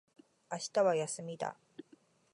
明日は休みだ